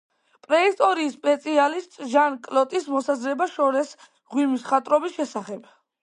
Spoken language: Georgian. პრეისტორიის სპეციალისტის, ჟან კლოტის მოსაზრება შორეს მღვიმის მხატვრობის შესახებ